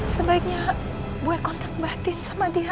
sebaiknya bu he kontak batin sama dia